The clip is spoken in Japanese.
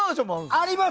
あります！